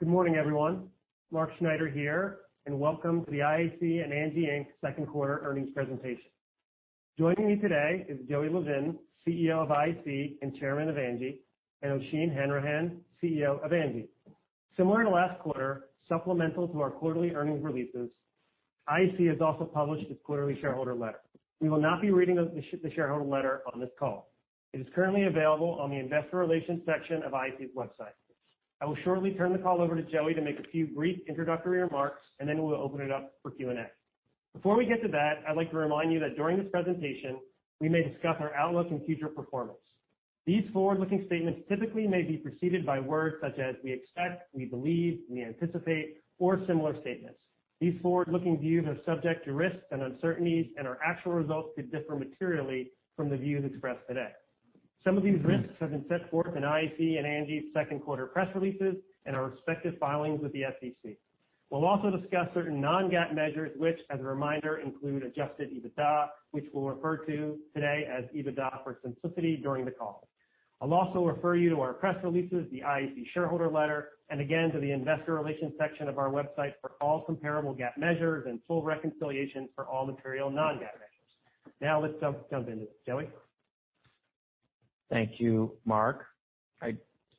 Good morning, everyone. Mark Schneider here. Welcome to the IAC and Angi Inc's second quarter earnings presentation. Joining me today is Joey Levin, CEO of IAC and Chairman of Angi, Oisin Hanrahan, CEO of Angi. Similar to last quarter, supplemental to our quarterly earnings releases, IAC has also published its quarterly shareholder letter. We will not be reading the shareholder letter on this call. It is currently available on the Investor Relations section of IAC's website. I will shortly turn the call over to Joey to make a few brief introductory remarks. Then we'll open it up for Q&A. Before we get to that, I'd like to remind you that during this presentation, we may discuss our outlook and future performance. These forward-looking statements typically may be preceded by words such as "we expect," "we believe," "we anticipate," or similar statements. These forward-looking views are subject to risks and uncertainties, and our actual results could differ materially from the views expressed today. Some of these risks have been set forth in IAC and Angi's second quarter press releases and our respective filings with the SEC. We'll also discuss certain non-GAAP measures, which, as a reminder, include adjusted EBITDA, which we'll refer to today as EBITDA for simplicity during the call. I'll also refer you to our press releases, the IAC Shareholder Letter, and again, to the Investor Relations section of our website for all comparable GAAP measures and full reconciliation for all material non-GAAP measures. Let's jump into it. Joey? Thank you, Mark.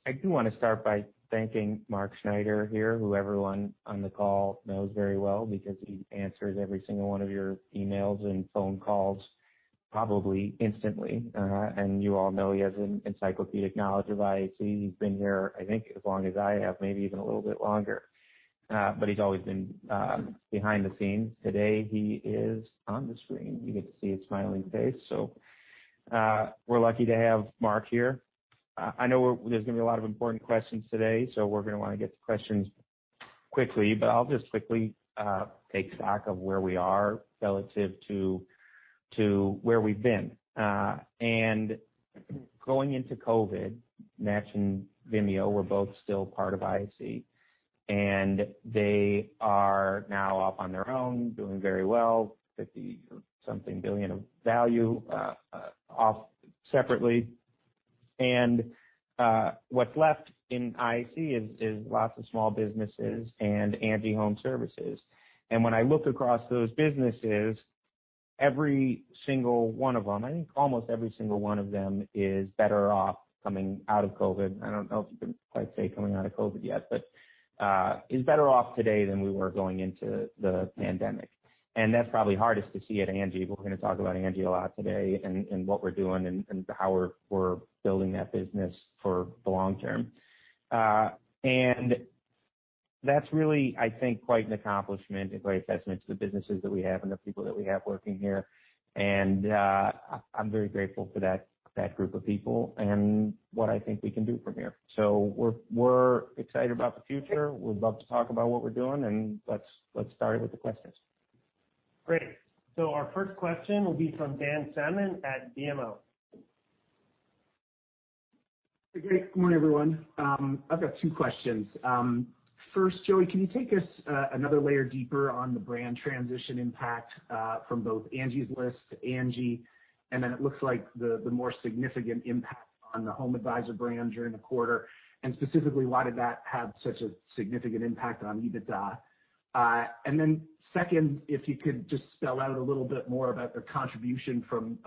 I do want to start by thanking Mark Schneider here, who everyone on the call knows very well because he answered every single one of your emails and phone calls probably instantly. You all know he has an encyclopedic knowledge of IAC. He's been here, I think, as long as I have, maybe even a little bit longer. He's always been behind the scenes. Today, he is on the screen. We get to see his smiling face. We're lucky to have Mark here. I know there's going to be a lot of important questions today, so we're going to want to get to questions quickly. I'll just quickly take stock of where we are relative to where we've been. Going into COVID, Match and Vimeo were both still part of IAC, and they are now off on their own, doing very well, $50 or something billion of value off separately. What's left in IAC is lots of small businesses and Angi Homeservices. When I look across those businesses, every single one of them, I think almost every single one of them, is better off coming out of COVID. I don't know if you can quite say coming out of COVID yet, but is better off today than we were going into the pandemic. That's probably hardest to see at Angi. We're going to talk about Angi a lot today and what we're doing and how we're building that business for the long term. That's really, I think, quite an accomplishment and quite a testament to the businesses that we have and the people that we have working here. I'm very grateful for that group of people and what I think we can do from here. We're excited about the future. We'd love to talk about what we're doing, and let's start with the questions. Great. Our first question will be from Dan Salmon at BMO. Great. Good morning, everyone. I've got two questions. First, Joey, can you take us another layer deeper on the brand transition impact from both Angie's List to Angi, and then it looks like the more significant impact on the HomeAdvisor brand during the quarter, and specifically, why did that have such a significant impact on EBITDA? Second, if you could just spell out a little bit more about the contribution from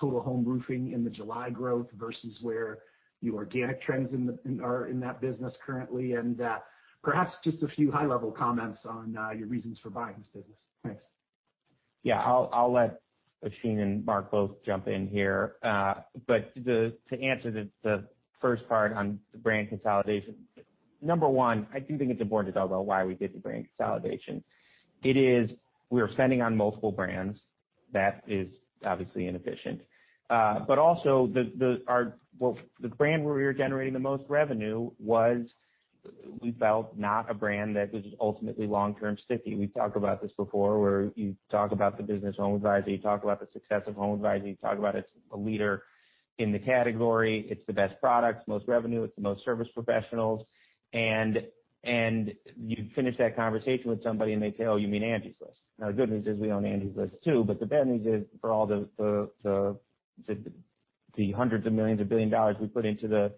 Total Home Roofing in the July growth versus where your organic trends are in that business currently, and perhaps just a few high-level comments on your reasons for buying this business. Thanks. Yeah. I'll let Oisin and Mark both jump in here. To answer the first part on the brand consolidation, number one, I do think it's important to talk about why we did the brand consolidation. It is we were spending on multiple brands. That is obviously inefficient. Also, the brand where we were generating the most revenue was, we felt, not a brand that was ultimately long-term sticky. We've talked about this before, where you talk about the business HomeAdvisor, you talk about the success of HomeAdvisor, you talk about it's a leader in the category, it's the best product, most revenue, it's the most service professionals. You finish that conversation with somebody, and they say, "Oh, you mean Angie's List?" The good news is we own Angie's List too, but the bad news is for all the hundreds of millions of billion dollars we put into the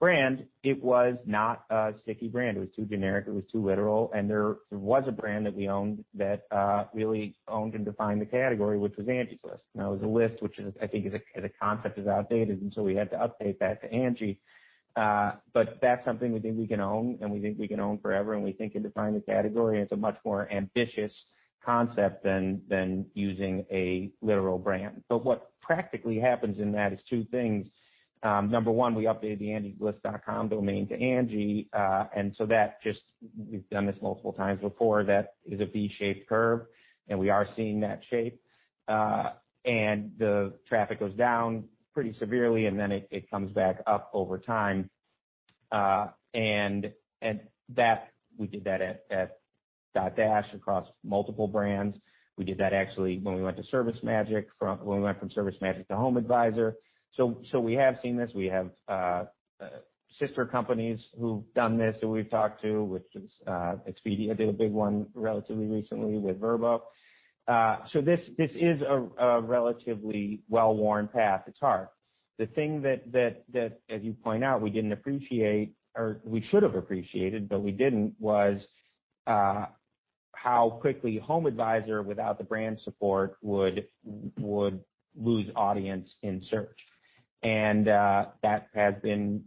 brand, it was not a sticky brand. It was too generic, it was too literal, and there was a brand that we owned that really owned and defined the category, which was Angie's List. It was a list, which I think as a concept is outdated, and so we had to update that to Angi. That's something we think we can own, and we think we can own forever, and we think can define the category, and it's a much more ambitious concept than using a literal brand. What practically happens in that is two things. Number one, we updated the angieslist.com domain to Angi. We've done this multiple times before. That is a V-shaped curve. We are seeing that shape. The traffic goes down pretty severely. It comes back up over time. We did that at Dotdash across multiple brands. We did that actually when we went to ServiceMagic, when we went from ServiceMagic to HomeAdvisor. We have seen this. We have sister companies who've done this, who we've talked to, which was Expedia did a big one relatively recently with Vrbo. This is a relatively well-worn path. It's hard. The thing that, as you point out, we didn't appreciate, or we should have appreciated, but we didn't, was. How quickly HomeAdvisor without the brand support would lose audience in search. That has been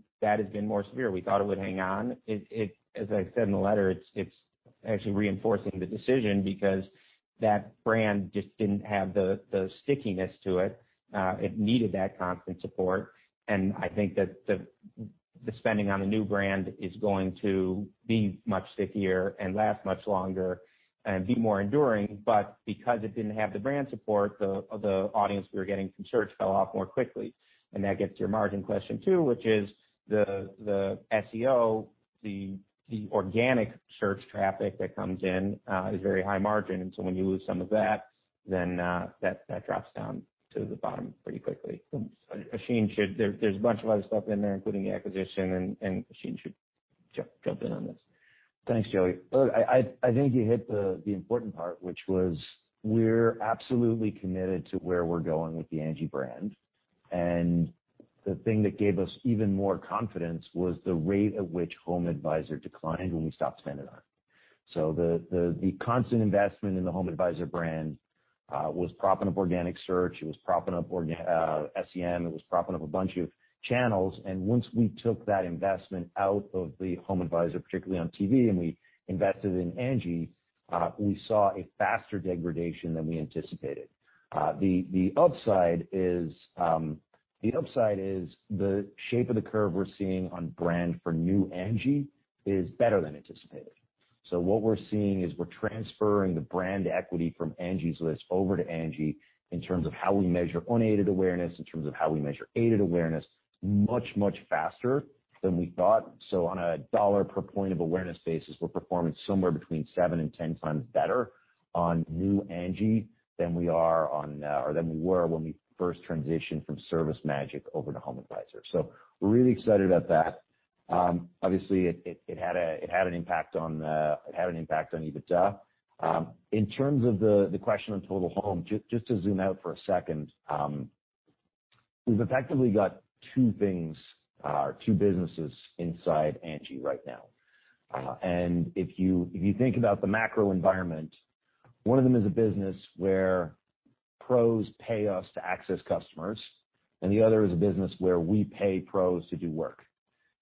more severe. We thought it would hang on. As I said in the letter, it's actually reinforcing the decision because that brand just didn't have the stickiness to it. It needed that constant support, and I think that the spending on a new brand is going to be much stickier and last much longer and be more enduring. Because it didn't have the brand support, the audience we were getting from search fell off more quickly. That gets to your margin question, too, which is the SEO, the organic search traffic that comes in, is very high margin. When you lose some of that, then that drops down to the bottom pretty quickly. There's a bunch of other stuff in there, including the acquisition and Q2. Oisin should jump in on this. Thanks, Joey. Look, I think you hit the important part, which was we're absolutely committed to where we're going with the Angi brand. The thing that gave us even more confidence was the rate at which HomeAdvisor declined when we stopped spending on it. The constant investment in the HomeAdvisor brand was propping up organic search. It was propping up SEM. It was propping up a bunch of channels. Once we took that investment out of the HomeAdvisor, particularly on TV, and we invested in Angi, we saw a faster degradation than we anticipated. The upside is the shape of the curve we're seeing on brand for new Angi is better than anticipated. What we're seeing is we're transferring the brand equity from Angie's List over to Angi in terms of how we measure unaided awareness, in terms of how we measure aided awareness, much, much faster than we thought. On a dollar per point of awareness basis, we're performing somewhere between seven and 10 times better on new Angi than we were when we first transitioned from ServiceMagic over to HomeAdvisor. We're really excited about that. Obviously, it had an impact on EBITDA. In terms of the question on Total Home, just to zoom out for a second, we've effectively got two things, two businesses inside Angi right now. If you think about the macro environment, one of them is a business where pros pay us to access customers, and the other is a business where we pay pros to do work.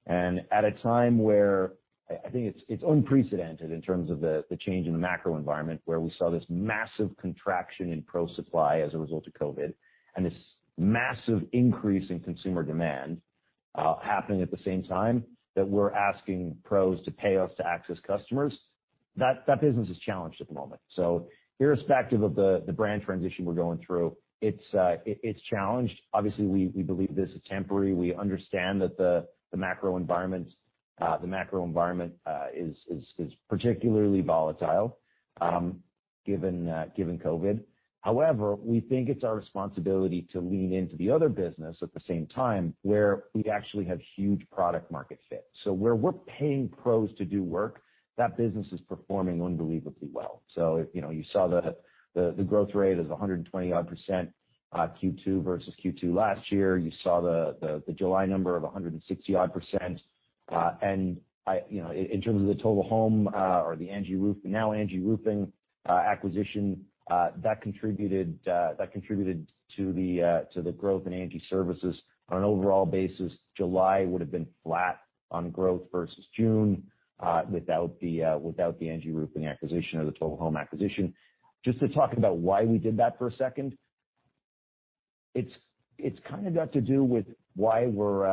At a time where I think it's unprecedented in terms of the change in the macro environment, where we saw this massive contraction in pro supply as a result of COVID and this massive increase in consumer demand happening at the same time that we're asking pros to pay us to access customers. That business is challenged at the moment. Irrespective of the brand transition we're going through, it's challenged. Obviously, we believe this is temporary. We understand that the macro environment is particularly volatile given COVID. However, we think it's our responsibility to lean into the other business at the same time where we actually have huge product market fit. Where we're paying pros to do work, that business is performing unbelievably well. You saw the growth rate is 120-odd% Q2 versus Q2 last year. You saw the July number of 160-odd%. In terms of the Total Home or the Angi Roofing, now Angi Roofing acquisition, that contributed to the growth in Angi Services. On an overall basis, July would've been flat on growth versus June without the Angi Roofing acquisition or the Total Home acquisition. Just to talk about why we did that for a second? It's kind of got to do with why we're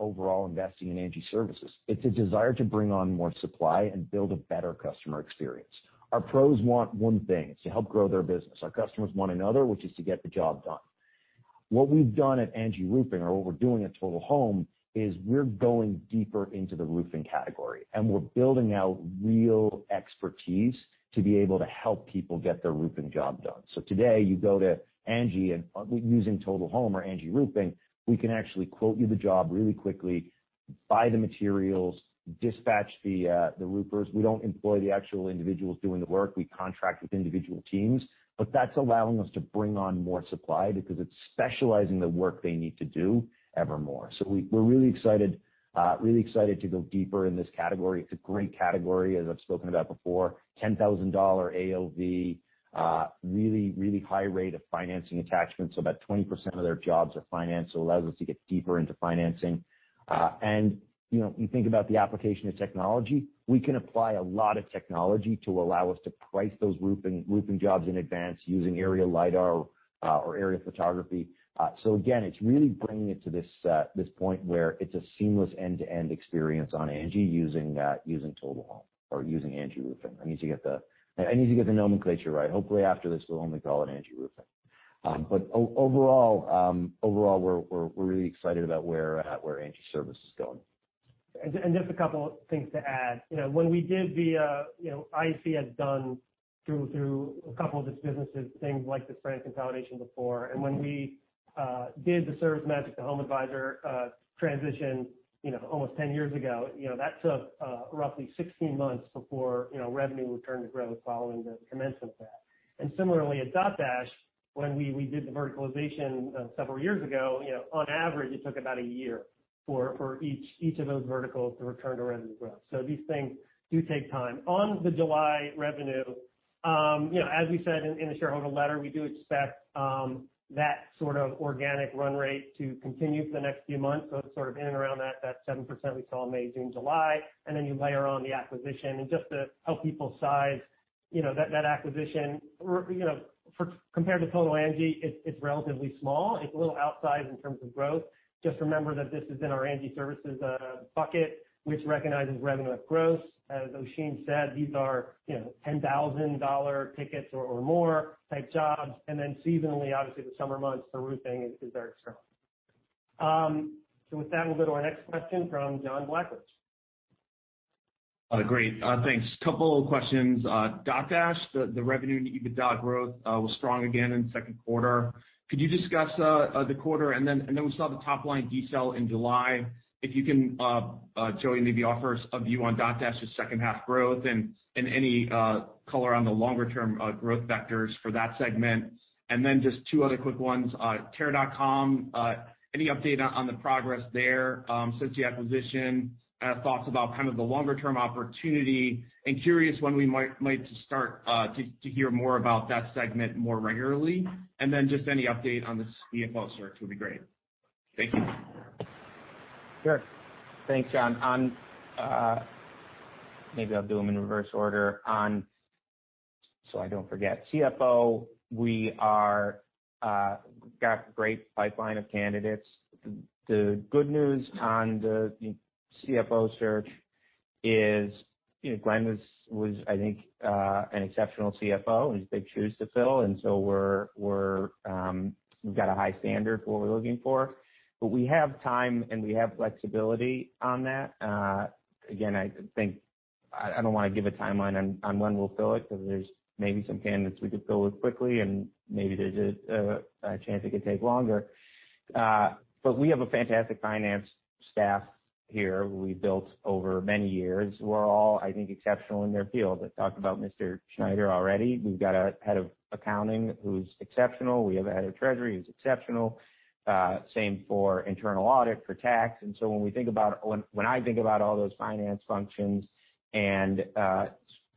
overall investing in Angi Services? It's a desire to bring on more supply and build a better customer experience. Our pros want one thing. It's to help grow their business. Our customers want another, which is to get the job done. What we've done at Angi Roofing or what we're doing at Total Home is we're going deeper into the roofing category, and we're building out real expertise to be able to help people get their roofing job done. Today, you go to Angi and using Total Home or Angi Roofing, we can actually quote you the job really quickly, buy the materials, dispatch the roofers. We don't employ the actual individuals doing the work. We contract with individual teams. That's allowing us to bring on more supply because it's specializing the work they need to do evermore. We're really excited to go deeper in this category. It's a great category, as I've spoken about before, $10,000 AOV, really, really high rate of financing attachment, so about 20% of their jobs are financed. It allows us to get deeper into financing. You think about the application of technology, we can apply a lot of technology to allow us to price those roofing jobs in advance using aerial lidar or aerial photography. Again, it's really bringing it to this point where it's a seamless end-to-end experience on Angi using Total Home or using Angi Roofing. I need to get the nomenclature right. Hopefully, after this, we'll only call it Angi Roofing. Overall, we're really excited about where Angi Services is going. Just a couple things to add. When we did IAC had done through a couple of its businesses, things like this brand consolidation before. When we did the ServiceMagic to HomeAdvisor transition almost 10 years ago, that took roughly 16 months before revenue returned to growth following the commencement of that. Similarly at Dotdash, when we did the verticalization several years ago, on average, it took about a year for each of those verticals to return to revenue growth. These things do take time. On the July revenue, as we said in the shareholder letter, we do expect that sort of organic run rate to continue for the next few months. It's sort of in and around that 7% we saw in May, June, July. Then you layer on the acquisition. Just to help people size that acquisition, compared to total Angi, it's relatively small. It's a little outsized in terms of growth. Just remember that this is in our Angi Services bucket, which recognizes revenue at gross. As Oisin said, these are $10,000 tickets or more type jobs. Then seasonally, obviously, the summer months for roofing is very strong. With that, we'll go to our next question from John Blackledge. Great. Thanks. Couple of questions. Dotdash, the revenue and EBITDA growth was strong again in the second quarter. Could you discuss the quarter? Then we saw the top-line decel in July. If you can, Joey, maybe offer us a view on Dotdash's second half growth and any color on the longer-term growth vectors for that segment. Then just two other quick ones. Care.com, any update on the progress there since the acquisition? Thoughts about kind of the longer-term opportunity? Curious when we might start to hear more about that segment more regularly. Then just any update on the CFO search would be great. Thank you. Sure. Thanks, John. Maybe I'll do them in reverse order so I don't forget. CFO, we got a great pipeline of candidates. The good news on the CFO search is Glenn was, I think, an exceptional CFO and his big shoes to fill. We've got a high standard for what we're looking for. We have time and we have flexibility on that. Again, I don't want to give a timeline on when we'll fill it because there's maybe some candidates we could fill it quickly and maybe there's a chance it could take longer. We have a fantastic finance staff here we've built over many years who are all, I think, exceptional in their field. I talked about Mr. Schneider already. We've got a Head of Accounting who's exceptional. We have a Head of Treasury who's exceptional. Same for internal audit, for tax. When I think about all those finance functions and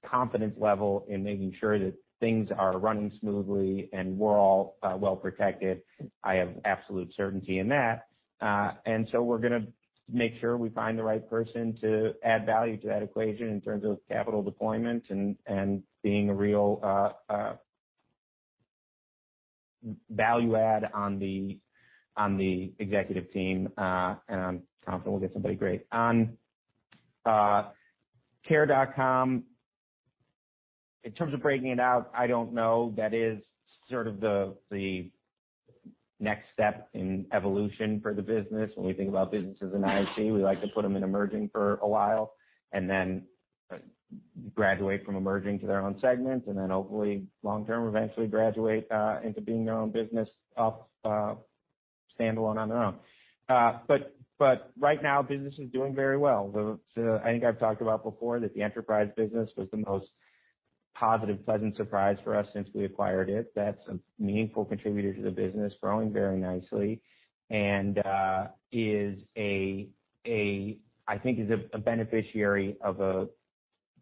confidence level in making sure that things are running smoothly and we're all well protected, I have absolute certainty in that. We're going to make sure we find the right person to add value to that equation in terms of capital deployment and being a real value add on the executive team. I'm confident we'll get somebody great. On Care.com, in terms of breaking it out, I don't know. That is sort of the next step in evolution for the business. When we think about businesses in Angi, we like to put them in emerging for a while and then graduate from emerging to their own segment, and then hopefully long-term, eventually graduate into being their own business standalone on their own. Right now, business is doing very well. I think I've talked about before that the enterprise business was the most positive, pleasant surprise for us since we acquired it. That's a meaningful contributor to the business, growing very nicely, and I think is a beneficiary of an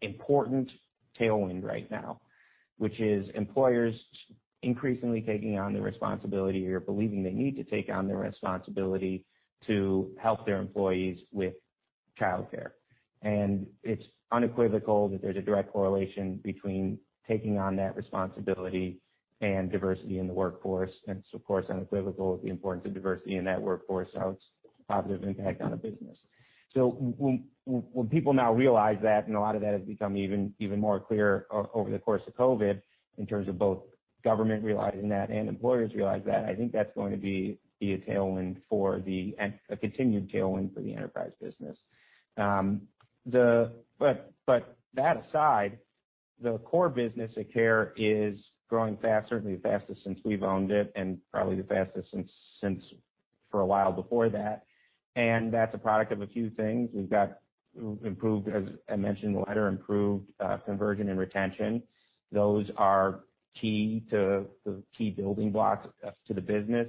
important tailwind right now, which is employers increasingly taking on the responsibility or believing they need to take on the responsibility to help their employees with childcare. It's unequivocal that there's a direct correlation between taking on that responsibility and diversity in the workforce. It's of course, unequivocal the importance of diversity in that workforce, so it's a positive impact on a business. When people now realize that, and a lot of that has become even more clear over the course of COVID in terms of both government realizing that and employers realize that, I think that's going to be a continued tailwind for the enterprise business. That aside, the core business of Care is growing fast, certainly the fastest since we've owned it and probably the fastest since for a while before that. That's a product of a few things. We've got improved, as I mentioned in the letter, improved conversion and retention. Those are key building blocks to the business.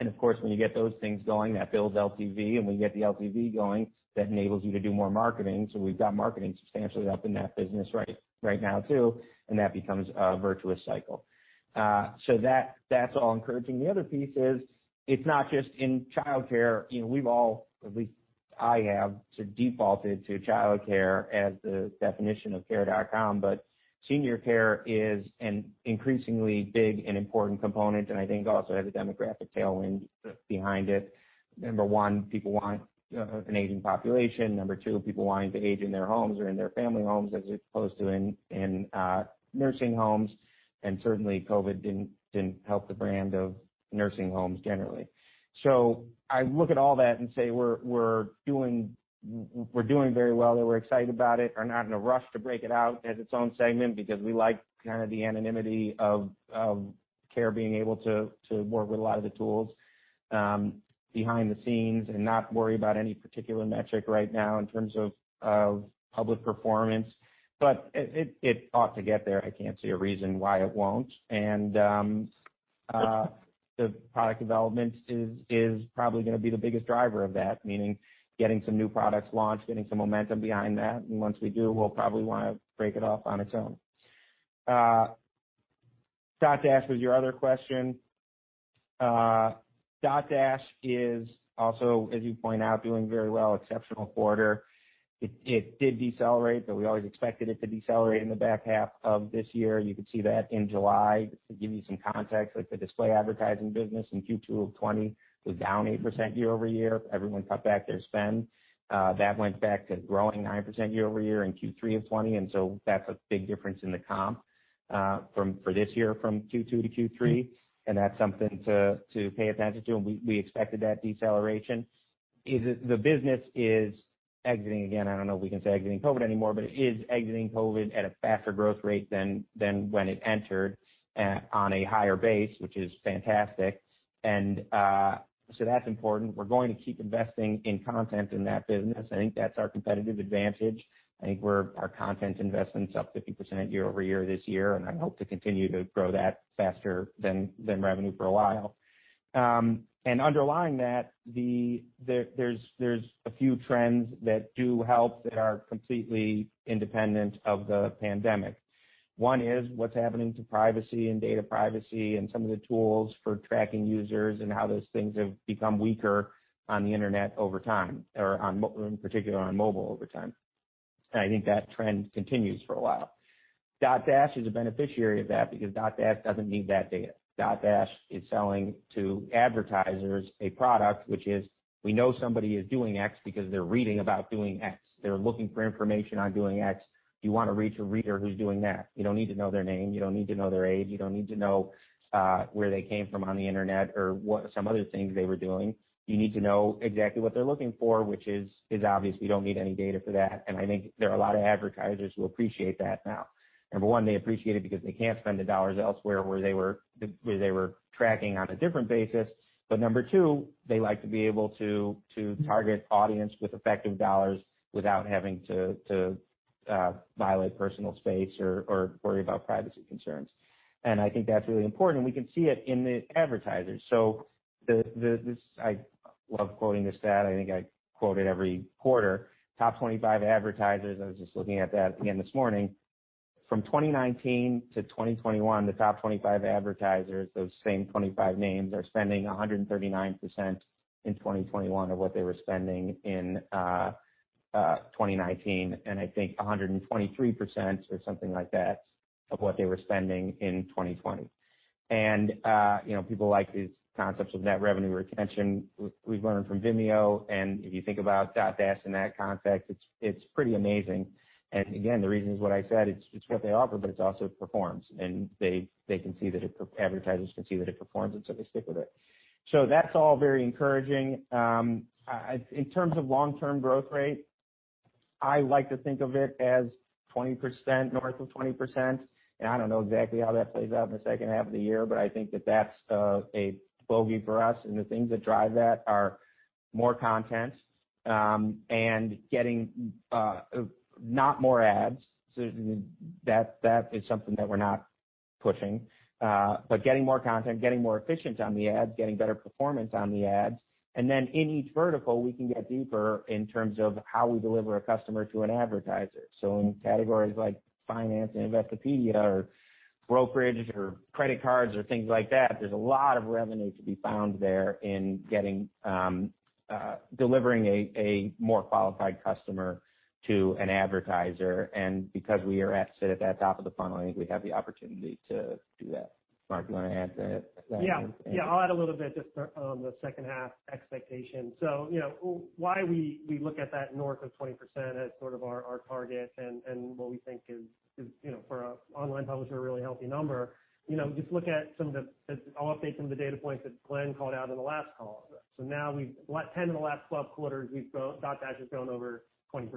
Of course, when you get those things going, that builds LTV, and when you get the LTV going, that enables you to do more marketing. We've got marketing substantially up in that business right now too, and that becomes a virtuous cycle. That's all encouraging. The other piece is it's not just in childcare. We've all, at least I have, defaulted to childcare as the definition of Care.com, but senior care is an increasingly big and important component and I think also has a demographic tailwind behind it. Number one, people want an aging population. Number two, people wanting to age in their homes or in their family homes as opposed to in nursing homes. Certainly COVID didn't help the brand of nursing homes generally. I look at all that and say we're doing very well there. We're excited about it. We are not in a rush to break it out as its own segment because we like kind of the anonymity of Care being able to work with a lot of the tools behind the scenes and not worry about any particular metric right now in terms of public performance. It ought to get there. I can't see a reason why it won't. The product development is probably going to be the biggest driver of that, meaning getting some new products launched, getting some momentum behind that. Once we do, we'll probably want to break it off on its own. Dotdash was your other question. Dotdash is also, as you point out, doing very well, exceptional quarter. It did decelerate, but we always expected it to decelerate in the back half of this year. You could see that in July. To give you some context, like the display advertising business in Q2 of 2020 was down 8% year-over-year. Everyone cut back their spend. That went back to growing 9% year-over-year in Q3 of 2020. That's a big difference in the comp for this year from Q2 to Q3. That's something to pay attention to. We expected that deceleration. The business is exiting, again, I don't know if we can say exiting COVID anymore, it is exiting COVID at a faster growth rate than when it entered on a higher base, which is fantastic. That's important. We're going to keep investing in content in that business. I think that's our competitive advantage. I think our content investment's up 50% year-over-year this year, I hope to continue to grow that faster than revenue for a while. Underlying that, there's a few trends that do help that are completely independent of the pandemic. One is what's happening to privacy and data privacy and some of the tools for tracking users and how those things have become weaker on the internet over time or in particular on mobile over time. I think that trend continues for a while. Dotdash is a beneficiary of that because Dotdash doesn't need that data. Dotdash is selling to advertisers a product which is, we know somebody is doing X because they're reading about doing X. They're looking for information on doing X. You want to reach a reader who's doing that. You don't need to know their name. You don't need to know their age. You don't need to know where they came from on the internet or what some other things they were doing. You need to know exactly what they're looking for, which is obvious. You don't need any data for that. I think there are a lot of advertisers who appreciate that now. Number one, they appreciate it because they can't spend the dollars elsewhere where they were tracking on a different basis. Number two, they like to be able to target audience with effective dollars without having to violate personal space or worry about privacy concerns. I think that's really important, and we can see it in the advertisers. I love quoting this stat. I think I quote it every quarter. Top 25 advertisers, I was just looking at that again this morning. From 2019 to 2021, the top 25 advertisers, those same 25 names, are spending 139% in 2021 of what they were spending in 2019, and I think 123% or something like that of what they were spending in 2020. People like these concepts of net revenue retention. We learned from Vimeo, and if you think about Dotdash in that context, it's pretty amazing. Again, the reason is what I said, it's what they offer, but it also performs, advertisers can see that it performs, they stick with it. That's all very encouraging. In terms of long-term growth rate, I like to think of it as 20%, north of 20%. I don't know exactly how that plays out in the second half of the year, but I think that that's a bogey for us, and the things that drive that are more content and not more ads. That is something that we're not pushing. Getting more content, getting more efficient on the ads, getting better performance on the ads, and then in each vertical, we can get deeper in terms of how we deliver a customer to an advertiser. In categories like finance and Investopedia or brokerage or credit cards or things like that, there's a lot of revenue to be found there in delivering a more qualified customer to an advertiser. Because we sit at that top of the funnel, I think we have the opportunity to do that. Mark, do you want to add to that? I'll add a little bit just on the second half expectation. Why we look at that north of 20% as sort of our target and what we think is for an online publisher, a really healthy number. Look at some of the updates and the data points that Glenn called out in the last call. Now 10 of the last 12 quarters, Dotdash has grown over 20%,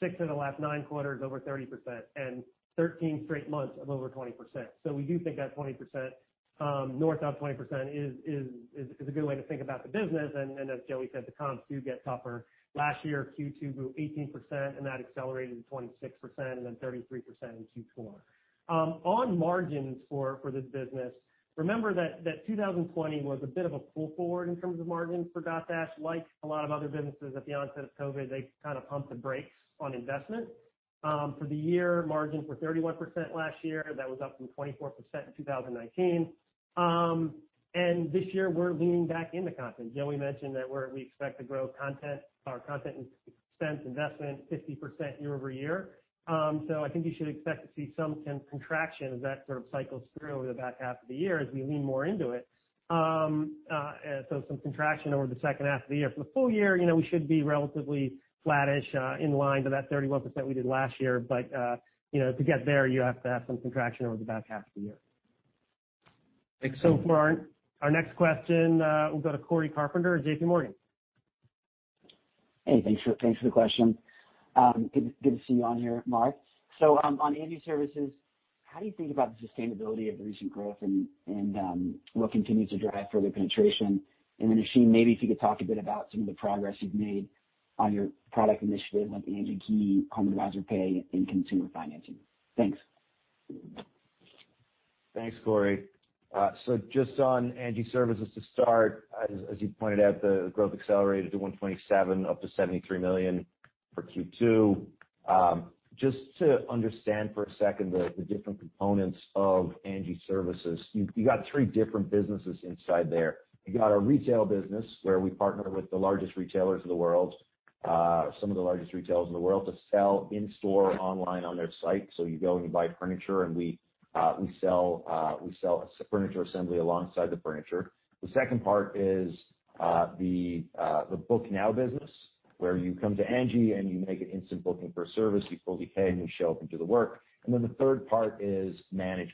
six of the last nine quarters over 30%, and 13 straight months of over 20%. We do think that north of 20% is a good way to think about the business. As Joey said, the comps do get tougher. Last year, Q2 grew 18%, and that accelerated to 26% and then 33% in Q4. On margins for this business, remember that 2020 was a bit of a pull forward in terms of margins for Dotdash. Like a lot of other businesses at the onset of COVID, they kind of pumped the brakes on investment. For the year, margins were 31% last year. That was up from 24% in 2019. This year we're leaning back into content. Joey mentioned that we expect to grow our content expense investment 50% year-over-year. I think you should expect to see some contraction as that sort of cycles through over the back half of the year as we lean more into it. Some contraction over the second half of the year. For the full year, we should be relatively flattish, in line to that 31% we did last year. To get there, you have to have some contraction over the back half of the year. Thanks. For our next question, we'll go to Cory Carpenter at JPMorgan. Sure. Thanks for the question. Good to see you on here, Mark. On Angi Services, how do you think about the sustainability of the recent growth and what continues to drive further penetration? Oisin, maybe if you could talk a bit about some of the progress you've made on your product initiatives like Angi Key, HomeAdvisor Pay, and consumer financing. Thanks. Thanks, Cory. Just on Angi Services to start, as you pointed out, the growth accelerated to 127% up to $73 million for Q2. Just to understand for a second the different components of Angi Services, you've got three different businesses inside there. You got a retail business where we partner with the largest retailers in the world, some of the largest retailers in the world to sell in store, online on their site. You go and you buy furniture, and we sell furniture assembly alongside the furniture. The second part is the Book Now business, where you come to Angi and you make an instant booking for a service. You fully pay, and we show up and do the work. The third part is Managed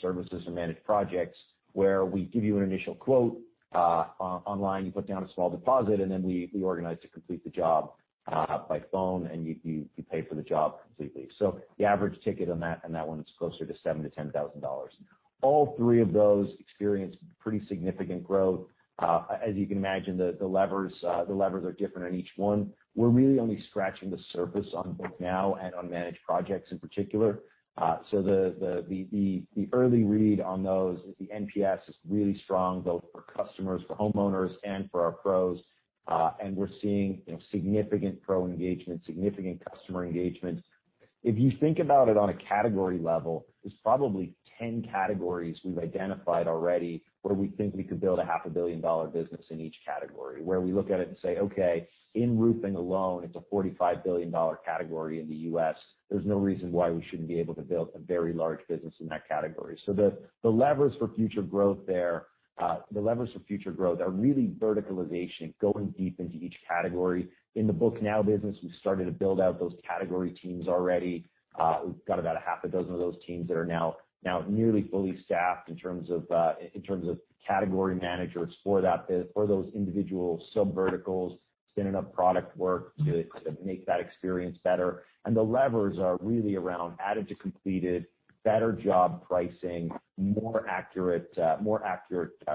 Services or Managed Projects, where we give you an initial quote online, you put down a small deposit, and then we organize to complete the job by phone, and you pay for the job completely. The average ticket on that one is closer to $7,000-$10,000. All three of those experienced pretty significant growth. As you can imagine, the levers are different on each one. We're really only scratching the surface on Book Now and on Managed Projects in particular. The early read on those is the NPS is really strong, both for customers, for homeowners, and for our pros. We're seeing significant pro engagement, significant customer engagement. If you think about it on a category level, there's probably 10 categories we've identified already where we think we could build a $0.5 billion business in each category. We look at it and say, okay, in roofing alone, it's a $45 billion category in the U.S. There's no reason why we shouldn't be able to build a very large business in that category. The levers for future growth are really verticalization, going deep into each category. In the Book Now business, we've started to build out those category teams already. We've got about a half a dozen of those teams that are now nearly fully staffed in terms of category managers for those individual subverticals, spinning up product work to make that experience better. The levers are really around added to completed, better job pricing, more accurate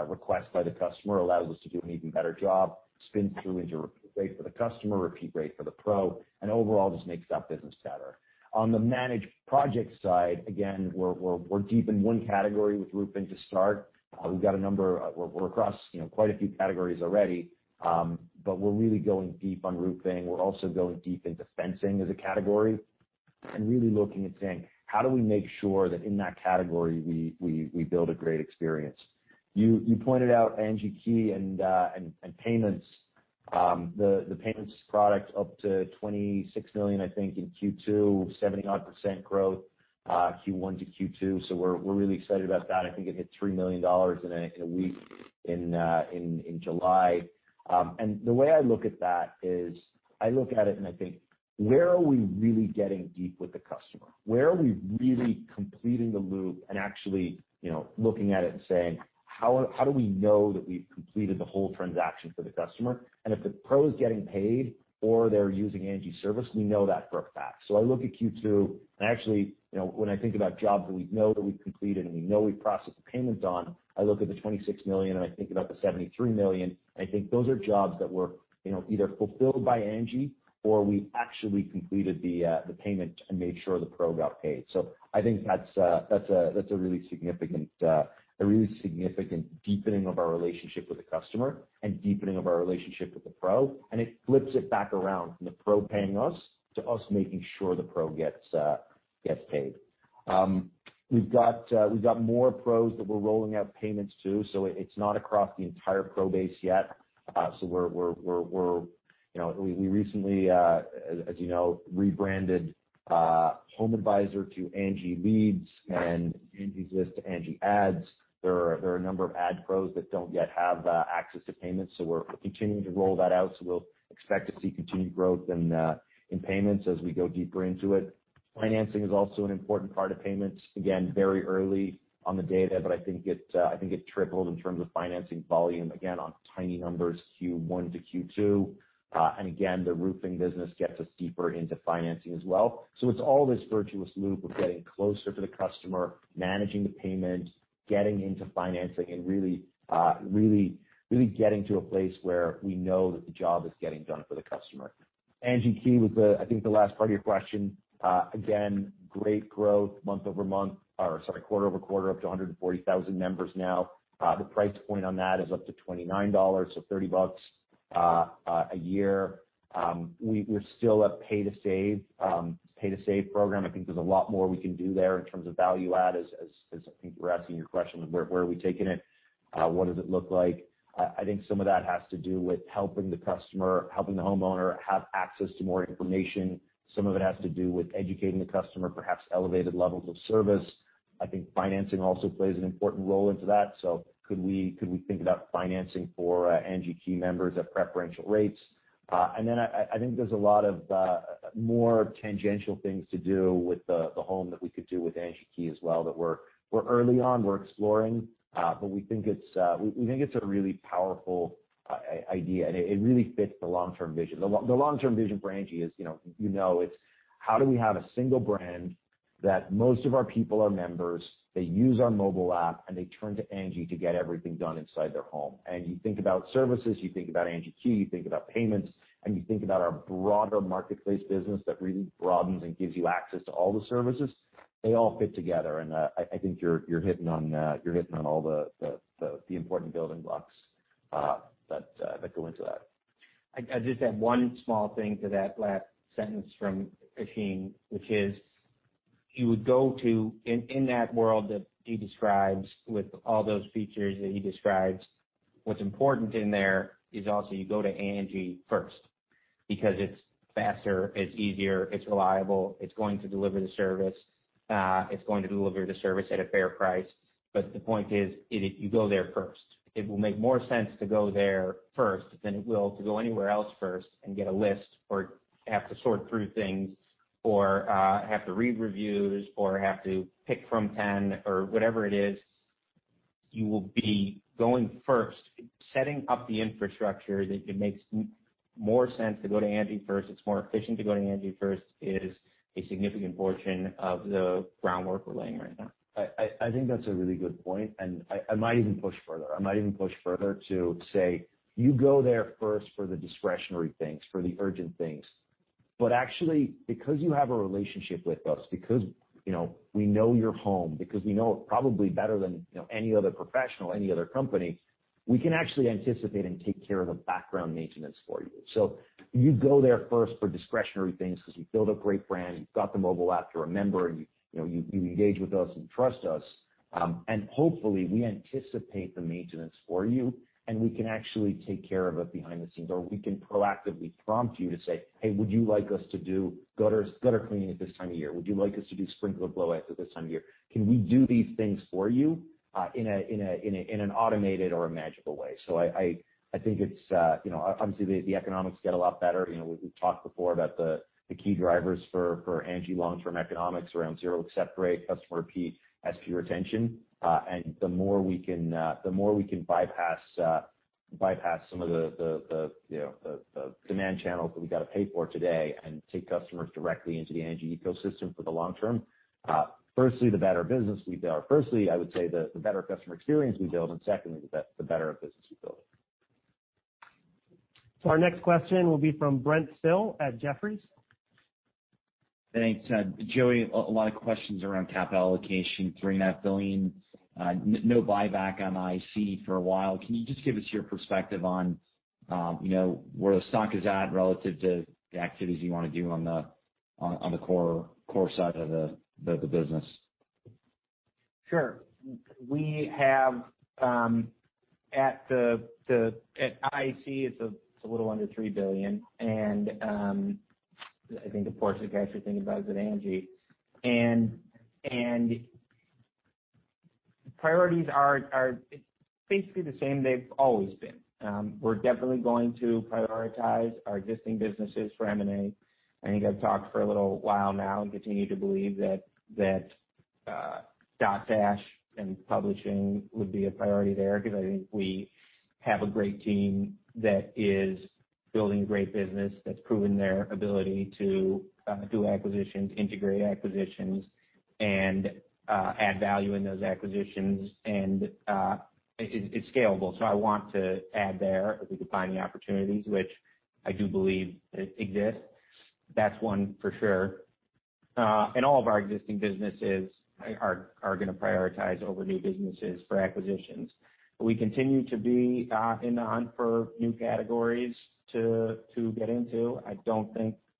requests by the customer allows us to do an even better job, spins through into repeat rate for the customer, repeat rate for the pro, and overall just makes that business better. On the Managed Projects side, again, we're deep in one category with roofing to start. We're across quite a few categories already. We're really going deep on roofing. We're also going deep into fencing as a category and really looking and saying, "How do we make sure that in that category, we build a great experience?" You pointed out Angi Key and payments. The payments product up to $26 million, I think, in Q2, 75% growth Q1 to Q2. We're really excited about that. I think it hit $3 million in a week in July. The way I look at that is I look at it and I think, where are we really getting deep with the customer? Where are we really completing the loop and actually looking at it and saying, "How do we know that we've completed the whole transaction for the customer?" If the pro is getting paid or they're using Angi Services, we know that for a fact. I look at Q2, and actually, when I think about jobs that we know that we've completed and we know we've processed the payments on, I look at the $26 million, and I think about the $73 million, and I think those are jobs that were either fulfilled by Angi or we actually completed the payment and made sure the pro got paid. I think that's a really significant deepening of our relationship with the customer and deepening of our relationship with the pro, and it flips it back around from the pro paying us to us making sure the pro gets paid. We've got more pros that we're rolling out payments to, it's not across the entire Pro base yet. We recently, as you know, rebranded HomeAdvisor to Angi Leads and Angie's List to Angi Ads. There are a number of ad pros that don't yet have access to payments, we're continuing to roll that out, we'll expect to see continued growth in payments as we go deeper into it. Financing is also an important part of payments. Again, very early on the data, but I think it tripled in terms of financing volume, again, on tiny numbers Q1 to Q2. Again, the roofing business gets us deeper into financing as well. It's all this virtuous loop of getting closer to the customer, managing the payment, getting into financing, and really getting to a place where we know that the job is getting done for the customer. Angi Key was, I think, the last part of your question. Again, great growth month-over-month, or sorry, quarter-over-quarter, up to 140,000 members now. The price point on that is up to $29, so $30 a year. We're still a pay-to-save program. I think there's a lot more we can do there in terms of value add, as I think you were asking in your question, where are we taking it? What does it look like? I think some of that has to do with helping the customer, helping the homeowner have access to more information. Some of it has to do with educating the customer, perhaps elevated levels of service. I think financing also plays an important role into that. Could we think about financing for Angi Key members at preferential rates? Then I think there's a lot of more tangential things to do with the home that we could do with Angi Key as well that we're early on, we're exploring. We think it's a really powerful idea, and it really fits the long-term vision. The long-term vision for Angi is, you know it's how do we have a single brand, that most of our people are members, they use our mobile app, and they turn to Angi to get everything done inside their home. You think about services, you think about Angi Key, you think about payments, and you think about our broader marketplace business that really broadens and gives you access to all the services. They all fit together. I think you're hitting on all the important building blocks that go into that. I just add one small thing to that last sentence from Oisin, which is, you would go to, in that world that he describes with all those features that he describes, what's important in there is also you go to Angi first because it's faster, it's easier, it's reliable. It's going to deliver the service. It's going to deliver the service at a fair price. The point is you go there first. It will make more sense to go there first than it will to go anywhere else first and get a list or have to sort through things or have to read reviews or have to pick from 10 or whatever it is. You will be going first. Setting up the infrastructure that it makes more sense to go to Angi first, it's more efficient to go to Angi first, is a significant portion of the groundwork we're laying right now. I think that's a really good point, I might even push further. I might even push further to say, you go there first for the discretionary things, for the urgent things. Actually, because you have a relationship with us, because we know your home, because we know it probably better than any other professional, any other company, we can actually anticipate and take care of the background maintenance for you. You go there first for discretionary things because we've built a great brand. You've got the mobile app. You're a member. You engage with us and trust us. Hopefully, we anticipate the maintenance for you, and we can actually take care of it behind the scenes, or we can proactively prompt you to say, "Hey, would you like us to do gutter cleaning at this time of year? Would you like us to do sprinkler blowouts at this time of year?" Can we do these things for you in an automated or a magical way? I think obviously, the economics get a lot better. We've talked before about the key drivers for Angi long-term economics around zero accept rate, customer repeat, SP retention. The more we can bypass some of the demand channels that we got to pay for today and take customers directly into the Angi ecosystem for the long term. Firstly, I would say, the better customer experience we build, and secondly, the better our business will build. Our next question will be from Brent Thill at Jefferies. Thanks. Joey, a lot of questions around capital allocation, $3.5 billion. No buyback on IAC for a while. Can you just give us your perspective on where the stock is at relative to the activities you want to do on the core side of the business? Sure. At IAC, it's a little under $3 billion. I think a portion of that you're thinking about is at Angi. Priorities are basically the same they've always been. We're definitely going to prioritize our existing businesses for M&A. I think I've talked for a little while now and continue to believe that Dotdash and publishing would be a priority there because I think we have a great team that is building a great business, that's proven their ability to do acquisitions, integrate acquisitions, and add value in those acquisitions. It's scalable. I want to add there, if we could find the opportunities, which I do believe exist. That's one for sure. All of our existing businesses are going to prioritize over new businesses for acquisitions. We continue to be in the hunt for new categories to get into. As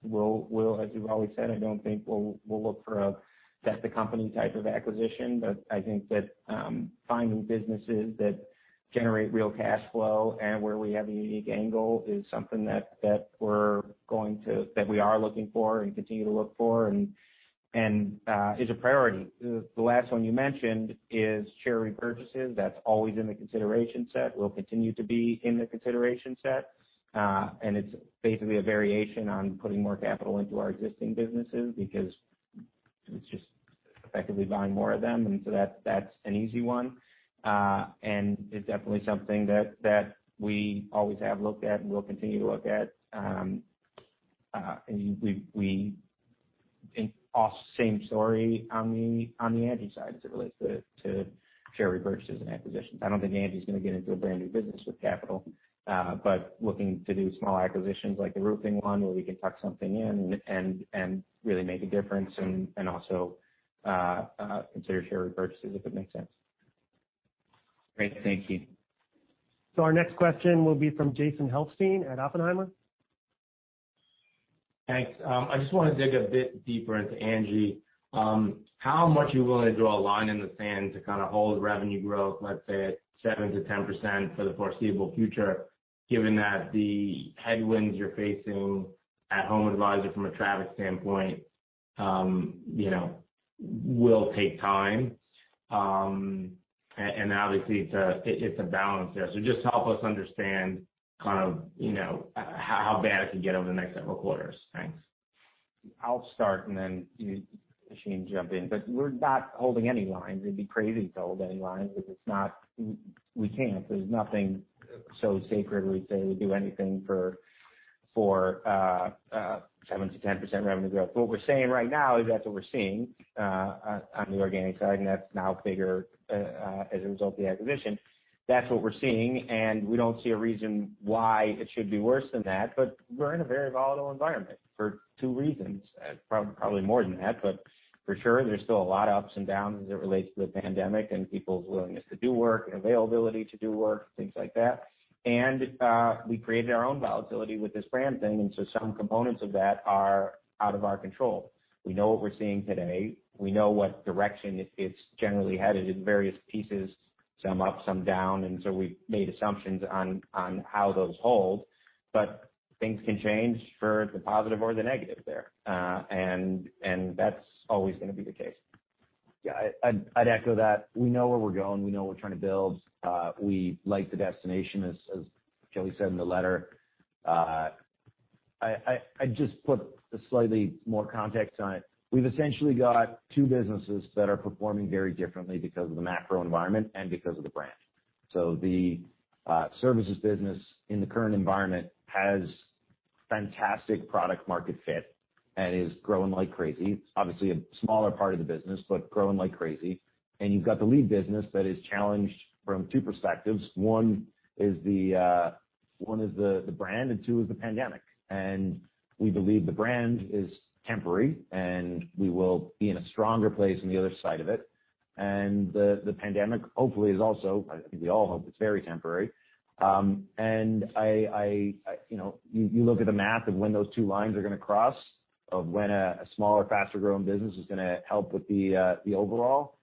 we've always said, I don't think we'll look for a set the company type of acquisition. I think that finding businesses that generate real cash flow and where we have a unique angle is something that we are looking for and continue to look for and is a priority. The last one you mentioned is share repurchases. That's always in the consideration set, will continue to be in the consideration set. It's basically a variation on putting more capital into our existing businesses because it's just effectively buying more of them. That's an easy one. It's definitely something that we always have looked at and will continue to look at. All same story on the Angi side as it relates to share repurchases and acquisitions. I don't think Angi's going to get into a brand new business with capital. Looking to do small acquisitions like the roofing one where we can tuck something in and really make a difference and also consider share repurchases if it makes sense. Great. Thank you. Our next question will be from Jason Helfstein at Oppenheimer. Thanks. I just want to dig a bit deeper into Angi. How much are you willing to draw a line in the sand to kind of hold revenue growth, let's say, at 7%-10% for the foreseeable future, given that the headwinds you're facing at HomeAdvisor from a traffic standpoint will take time? Obviously, it's a balance there. Just help us understand how bad it could get over the next several quarters. Thanks. I'll start and then Oisin jump in. We're not holding any lines. It'd be crazy to hold any lines because we can't. There's nothing so sacred we'd say we'd do anything for 7%-10% revenue growth. What we're saying right now is that's what we're seeing on the organic side, and that's now bigger as a result of the acquisition. That's what we're seeing. We don't see a reason why it should be worse than that. We're in a very volatile environment for two reasons, probably more than that. For sure there's still a lot of ups and downs as it relates to the pandemic and people's willingness to do work and availability to do work, things like that. We created our own volatility with this brand thing. Some components of that are out of our control. We know what we're seeing today. We know what direction it's generally headed in various pieces, some up, some down, we've made assumptions on how those hold. Things can change for the positive or the negative there. That's always going to be the case. Yeah, I'd echo that. We know where we're going. We know what we're trying to build. We like the destination, as Joey said in the letter. I'd just put slightly more context on it. We've essentially got two businesses that are performing very differently because of the macro environment and because of the brand. The services business in the current environment has fantastic product market fit and is growing like crazy. Obviously, a smaller part of the business, but growing like crazy. You've got the Lead business that is challenged from two perspectives. One is the brand, and two is the pandemic. We believe the brand is temporary, and we will be in a stronger place on the other side of it. The pandemic hopefully is also, I think we all hope it's very temporary. You look at the math of when those two lines are going to cross, of when a smaller, faster-growing business is going to help with the overall.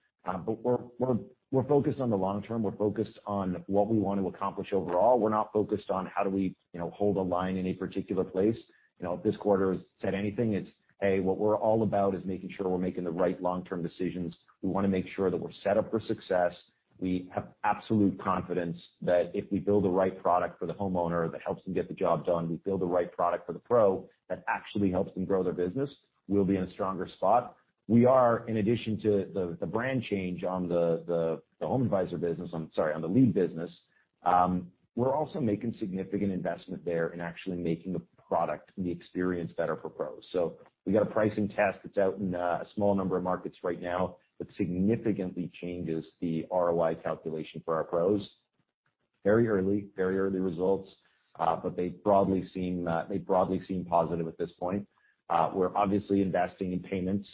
We're focused on the long term. We're focused on what we want to accomplish overall. We're not focused on how do we hold a line in a particular place. If this quarter has said anything, it's A, what we're all about is making sure we're making the right long-term decisions. We want to make sure that we're set up for success. We have absolute confidence that if we build the right product for the homeowner that helps them get the job done, we build the right product for the pro that actually helps them grow their business, we'll be in a stronger spot. We are, in addition to the brand change on the Lead business, we're also making significant investment there in actually making the product and the experience better for pros. We've got a pricing test that's out in a small number of markets right now that significantly changes the ROI calculation for our pros. Very early results, they broadly seem positive at this point. We're obviously investing in payments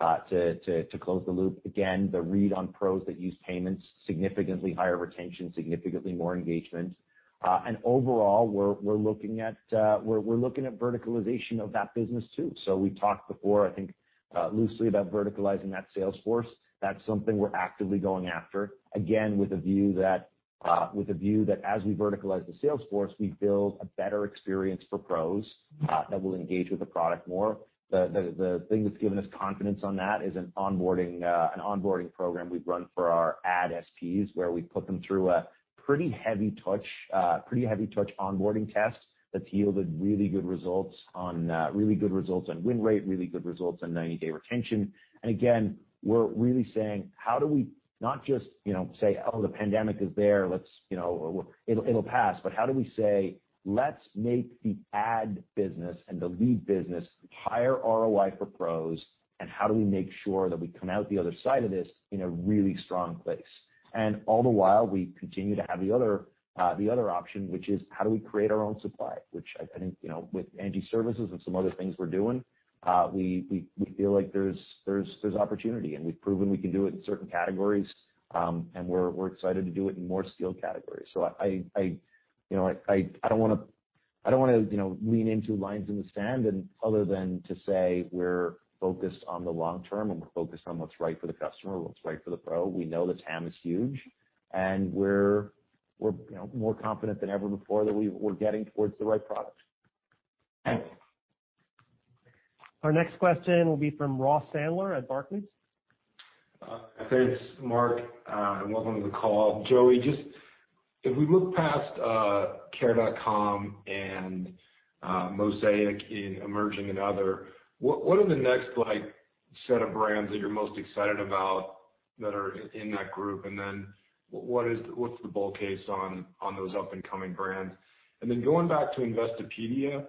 to close the loop. Again, the read on pros that use payments, significantly higher retention, significantly more engagement. Overall, we're looking at verticalization of that business too. We talked before, I think, loosely about verticalizing that sales force. That's something we're actively going after. Again, with a view that as we verticalize the sales force, we build a better experience for pros that will engage with the product more. The thing that's given us confidence on that is an onboarding program we've run for our ad SPs, where we put them through a pretty heavy touch onboarding test that's yielded really good results on win rate, really good results on 90-day retention. Again, we're really saying, how do we not just say, "Oh, the pandemic is there, it'll pass," but how do we say, "Let's make the Ad business and the Lead business higher ROI for pros, and how do we make sure that we come out the other side of this in a really strong place?" All the while, we continue to have the other option, which is how do we create our own supply, which I think, with Angi Services and some other things we're doing, we feel like there's opportunity, and we've proven we can do it in certain categories. We're excited to do it in more skill categories. I don't want to lean into lines in the sand other than to say we're focused on the long term, and we're focused on what's right for the customer, what's right for the pro. We know the TAM is huge. We're more confident than ever before that we're getting towards the right product. Thanks. Our next question will be from Ross Sandler at Barclays. Thanks, Mark, and welcome to the call. Joey, just if we look past Care.com and Mosaic in emerging and other, what are the next set of brands that you're most excited about that are in that group? What's the bull case on those up and coming brands? Going back to Investopedia,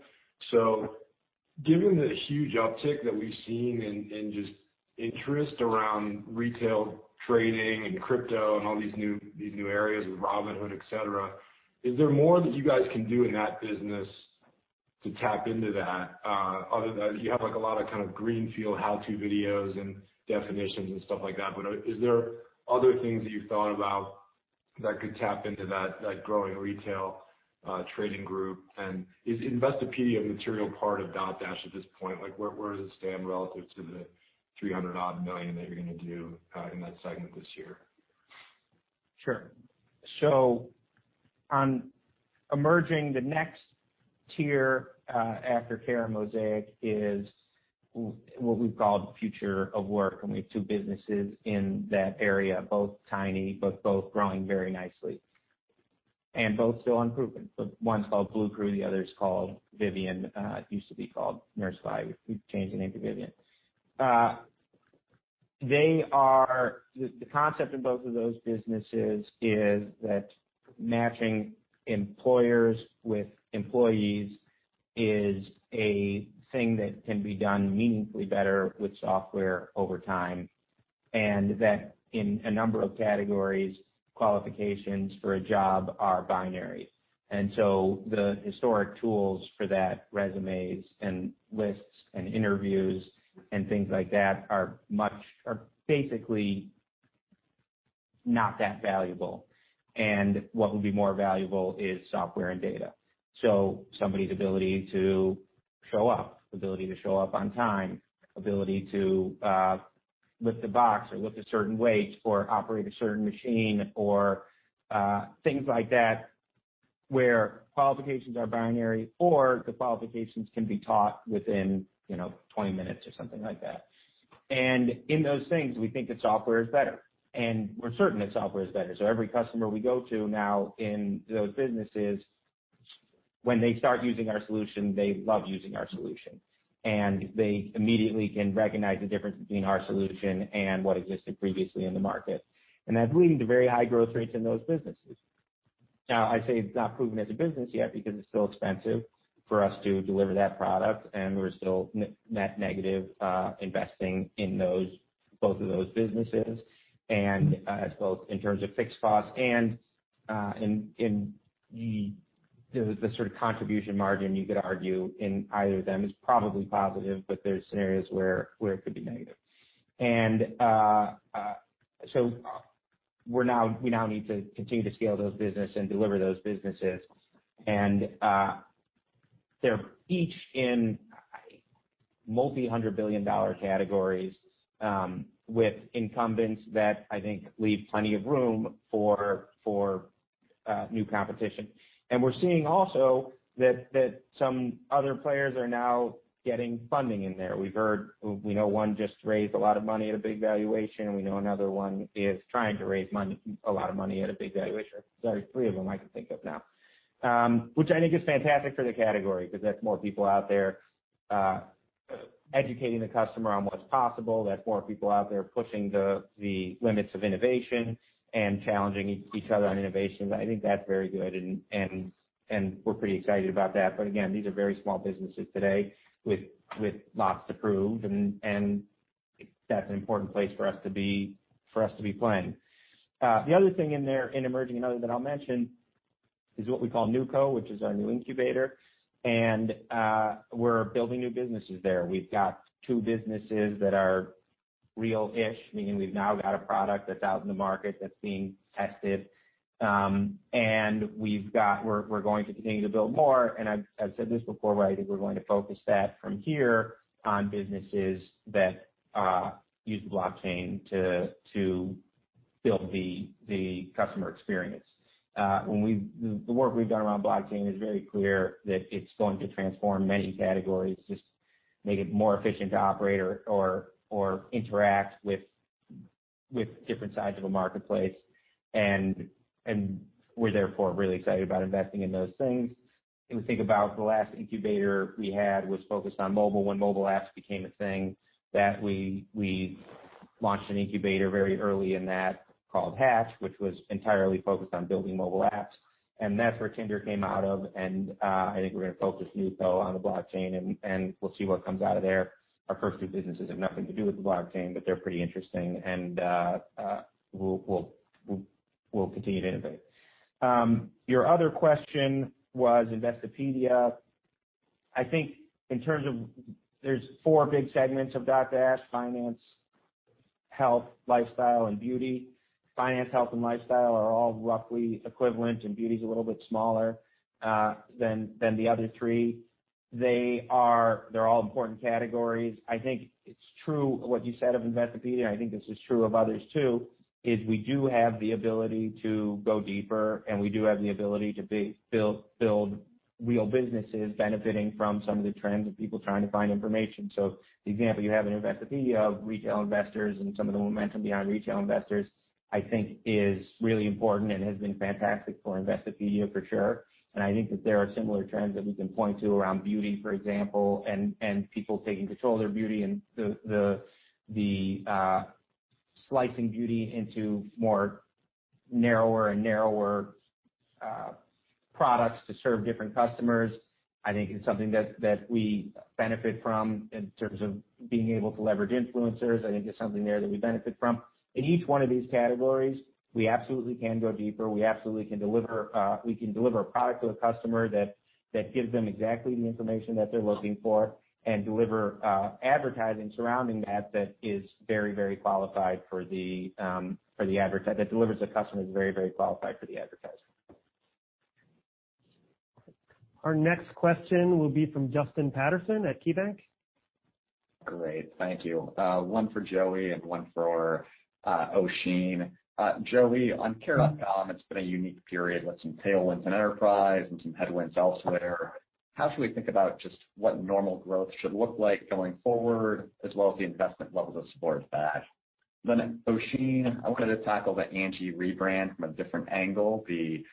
given the huge uptick that we've seen and just interest around retail trading and crypto and all these new areas with Robinhood, etc, is there more that you guys can do in that business to tap into that, other than you have a lot of kind of greenfield how-to videos and definitions and stuff like that? Is there other things that you've thought about that could tap into that growing retail trading group? Is Investopedia a material part of Dotdash at this point? Where does it stand relative to the $300 odd million that you're going to do in that segment this year? Sure. On emerging, the next tier after Care and Mosaic is what we've called Future of Work, and we have two businesses in that area, both tiny, but both growing very nicely, and both still unproven. One's called Bluecrew, the other is called Vivian. It used to be called NurseFly. We've changed the name to Vivian. The concept in both of those businesses is that matching employers with employees is a thing that can be done meaningfully better with software over time, and that in a number of categories, qualifications for a job are binary. The historic tools for that, resumes and lists and interviews and things like that, are basically not that valuable. What would be more valuable is software and data. Somebody's ability to show up, ability to show up on time, ability to lift a box or lift a certain weight or operate a certain machine or things like that, where qualifications are binary or the qualifications can be taught within 20 minutes or something like that. In those things, we think that software is better, and we're certain that software is better. Every customer we go to now in those businesses, when they start using our solution, they love using our solution, and they immediately can recognize the difference between our solution and what existed previously in the market. That's leading to very high growth rates in those businesses. Now, I say it's not proven as a business yet because it's still expensive for us to deliver that product and we're still net negative investing in both of those businesses. Both in terms of fixed costs and in the sort of contribution margin you could argue in either of them is probably positive, but there's scenarios where it could be negative. We now need to continue to scale those business and deliver those businesses. They're each in multi-hundred billion dollar categories with incumbents that I think leave plenty of room for new competition. We're seeing also that some other players are now getting funding in there. We know one just raised a lot of money at a big valuation, and we know another one is trying to raise a lot of money at a big valuation. Sorry, three of them I can think of now, which I think is fantastic for the category because that's more people out there educating the customer on what's possible. That's more people out there pushing the limits of innovation and challenging each other on innovations. I think that's very good and we're pretty excited about that. Again, these are very small businesses today with lots to prove and that's an important place for us to be playing. The other thing in there in emerging and other that I'll mention is what we call NewCo, which is our new incubator, and we're building new businesses there. We've got two businesses that are real-ish, meaning we've now got a product that's out in the market that's being tested. We're going to continue to build more, and I've said this before, but I think we're going to focus that from here on businesses that use the blockchain to build the customer experience. The work we've done around blockchain is very clear that it's going to transform many categories, just make it more efficient to operate or interact with different sides of a marketplace, we're therefore really excited about investing in those things. We think about the last incubator we had was focused on mobile when mobile apps became a thing, that we launched an incubator very early in that called Hatch, which was entirely focused on building mobile apps. That's where Tinder came out of, and I think we're going to focus NewCo on the blockchain, and we'll see what comes out of there. Our first two businesses have nothing to do with the blockchain, they're pretty interesting. We'll continue to innovate. Your other question was Investopedia. I think in terms of there's four big segments of Dotdash, finance, health, lifestyle, and beauty. Finance, health, and lifestyle are all roughly equivalent, and beauty's a little bit smaller than the other three. They're all important categories. I think it's true what you said of Investopedia, and I think this is true of others too, is we do have the ability to go deeper, and we do have the ability to build real businesses benefiting from some of the trends of people trying to find information. The example you have in Investopedia of retail investors and some of the momentum behind retail investors, I think is really important and has been fantastic for Investopedia for sure. I think that there are similar trends that we can point to around beauty, for example, and people taking control of their beauty and the slicing beauty into more narrower and narrower products to serve different customers. I think it's something that we benefit from in terms of being able to leverage influencers. I think there's something there that we benefit from. In each one of these categories, we absolutely can go deeper. We absolutely can deliver a product to a customer that gives them exactly the information that they're looking for and deliver advertising surrounding that delivers the customers very qualified for the advertisement. Our next question will be from Justin Patterson at KeyBanc. Great. Thank you. One for Joey and one for Oisin. Joey, on Care.com, it's been a unique period with some tailwinds in enterprise and some headwinds elsewhere. How should we think about just what normal growth should look like going forward, as well as the investment levels that support that? Oisin, I wanted to tackle the Angi rebrand from a different angle, the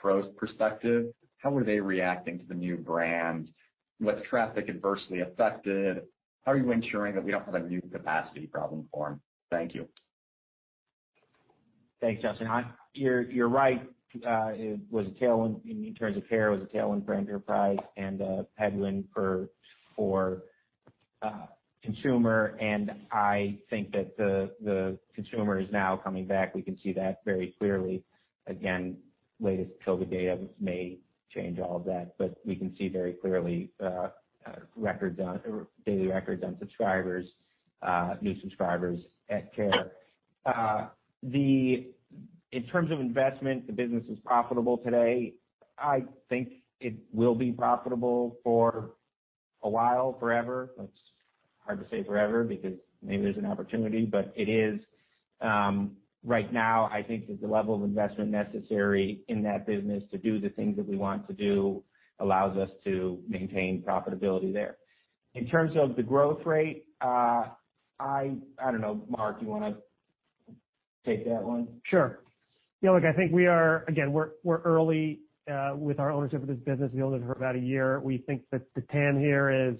pros perspective. How are they reacting to the new brand? Was traffic adversely affected? How are you ensuring that we don't have a new capacity problem form? Thank you. Thanks, Justin. You're right. In terms of Care, it was a tailwind for Enterprise and a headwind for Consumer, and I think that the Consumer is now coming back. We can see that very clearly. Again, latest COVID data may change all of that, but we can see very clearly daily records on subscribers, new subscribers at Care. In terms of investment, the business is profitable today. I think it will be profitable for a while, forever. It's hard to say forever because maybe there's an opportunity, but it is. Right now, I think that the level of investment necessary in that business to do the things that we want to do allows us to maintain profitability there. In terms of the growth rate, I don't know, Mark, do you want to take that one? Sure. Yeah, look, I think we are, again, we're early with our ownership of this business. We own it for about a year. We think that the TAM here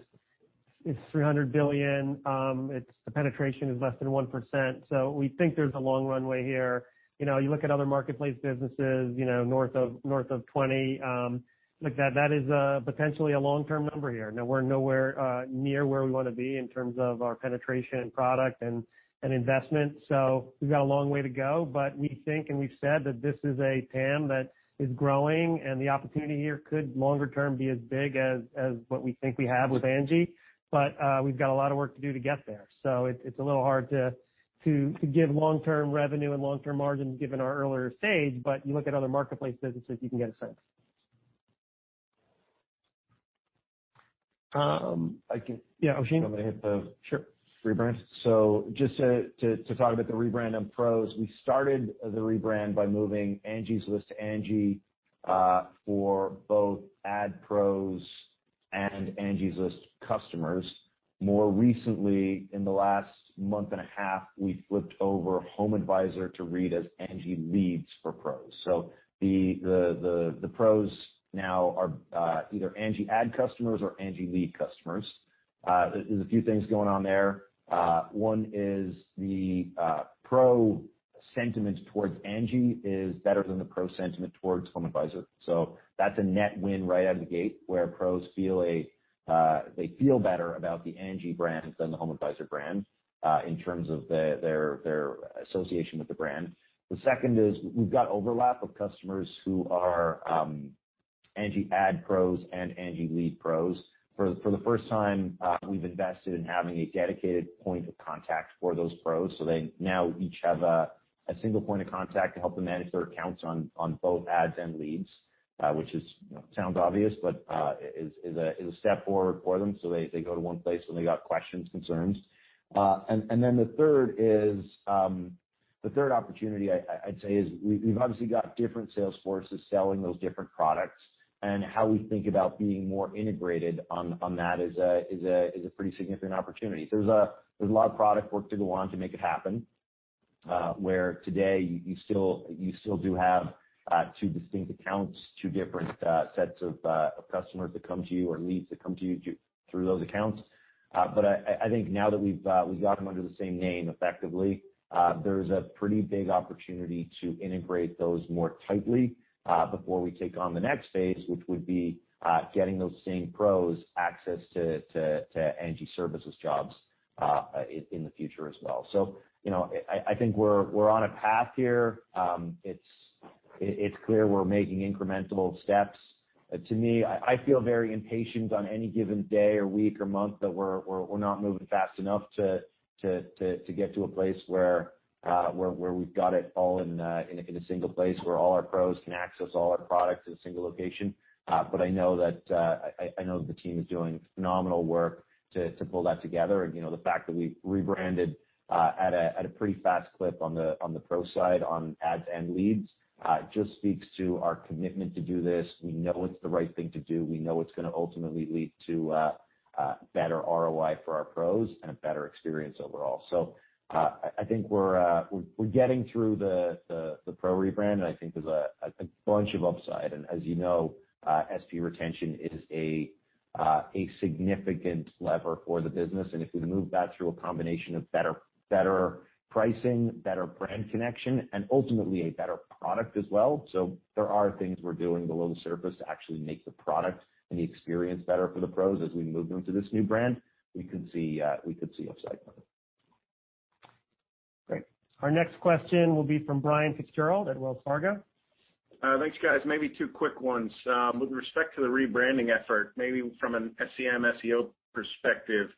is $300 billion. The penetration is less than 1%. We think there's a long runway here. You look at other marketplace businesses north of 20%. That is potentially a long-term number here. We're nowhere near where we want to be in terms of our penetration product and investment. We've got a long way to go. We think and we've said that this is a TAM that is growing. The opportunity here could longer term be as big as what we think we have with Angi. We've got a lot of work to do to get there. It's a little hard to give long-term revenue and long-term margins given our earlier stage, but you look at other marketplace businesses, you can get a sense. I can- Yeah. Oh, Oisin. I'm going to hit the- Sure ...rebrand. Just to talk about the rebrand on Pros, we started the rebrand by moving Angie's List to Angi for both Angi Ad Pros and Angie's List customers. More recently, in the last month and a half, we flipped over HomeAdvisor to read as Angi Leads for Pros. The Pros now are either Angi Ad customers or Angi Lead customers. There's a few things going on there. One is the Pro sentiment towards Angi is better than the Pro sentiment towards HomeAdvisor. That's a net win right out of the gate where Pros feel better about the Angi brand than the HomeAdvisor brand in terms of their association with the brand. The second is we've got overlap of customers who are Angi Ad Pros and Angi Lead Pros. For the first time, we've invested in having a dedicated point of contact for those Pros. They now each have a single point of contact to help them manage their accounts on both Ads and Leads, which sounds obvious, but is a step forward for them. They go to one place when they got questions, concerns. The third opportunity, I'd say, is we've obviously got different sales forces selling those different products, and how we think about being more integrated on that is a pretty significant opportunity. There's a lot of product work to go on to make it happen, where today you still do have two distinct accounts, two different sets of customers that come to you or Leads that come to you through those accounts. I think now that we've got them under the same name effectively, there's a pretty big opportunity to integrate those more tightly before we take on the next phase, which would be getting those same pros access to Angi Services jobs in the future as well. I think we're on a path here. It's clear we're making incremental steps. To me, I feel very impatient on any given day or week or month that we're not moving fast enough to get to a place where we've got it all in a single place where all our pros can access all our products in a single location. I know that the team is doing phenomenal work to pull that together. The fact that we rebranded at a pretty fast clip on the Pro side on Ads and Leads just speaks to our commitment to do this. We know it's the right thing to do. We know it's going to ultimately lead to better ROI for our pros and a better experience overall. I think we're getting through the Pro rebrand, and I think there's a bunch of upside. As you know, SP retention is a significant lever for the business, and if we move that through a combination of better pricing, better brand connection, and ultimately a better product as well. There are things we're doing below the surface to actually make the product and the experience better for the Pros as we move them to this new brand. We could see upside from it. Great. Our next question will be from Brian FitzGerald at Wells Fargo. Thanks, guys. Maybe two quick ones. With respect to the rebranding effort, maybe from an SEM, SEO perspective,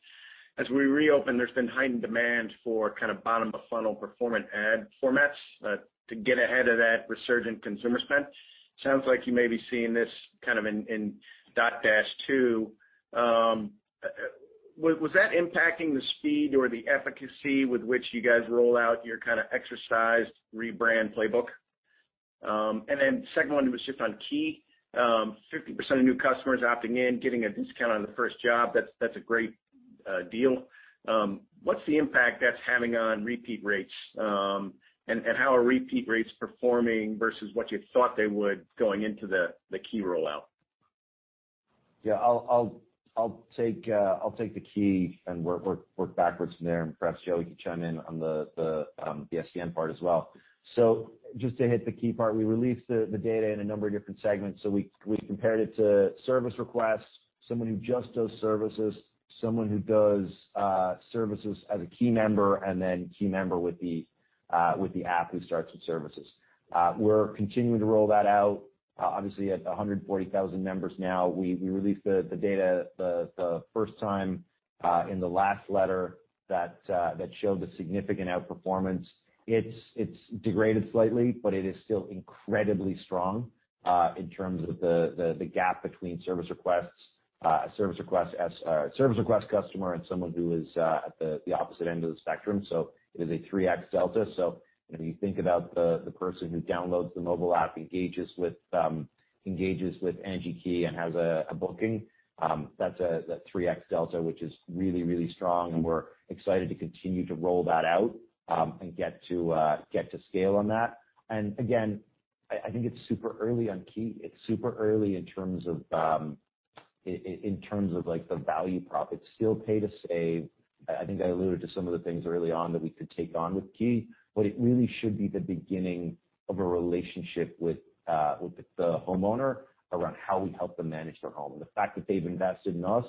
as we reopen, there's been heightened demand for kind of bottom of funnel performant ad formats to get ahead of that resurgent consumer spend. Sounds like you may be seeing this kind of in Dotdash, too. Was that impacting the speed or the efficacy with which you guys roll out your kind of exercise rebrand playbook? Second one was just on Key. 50% of new customers opting in, getting a discount on the first job, that's a great deal. What's the impact that's having on repeat rates? How are repeat rates performing versus what you thought they would going into the Key rollout? Yeah, I'll take the Key and work backwards from there. Perhaps, Joey, you can chime in on the SEM part as well. Just to hit the Key part, we released the data in a number of different segments. We compared it to service requests, someone who just does services, someone who does services as a Key member, and then Key member with the app who starts with services. We're continuing to roll that out. Obviously, at 140,000 members now, we released the data the first time in the last letter that showed a significant outperformance. It's degraded slightly, it is still incredibly strong in terms of the gap between service requests customer and someone who is at the opposite end of the spectrum. It is a 3x delta. When you think about the person who downloads the mobile app, engages with Angi Key and has a booking, that's a 3x delta, which is really, really strong, and we're excited to continue to roll that out, and get to scale on that. Again, I think it's super early on Key. It's super early in terms of the value prop. It's still pay to save. I think I alluded to some of the things early on that we could take on with Key, but it really should be the beginning of a relationship with the homeowner around how we help them manage their home. The fact that they've invested in us